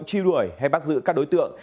truy đuổi hay bắt giữ các đối tượng